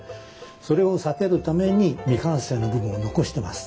それを避けるために未完成の部分を残してます。